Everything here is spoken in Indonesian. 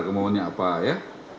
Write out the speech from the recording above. kemauannya apa ya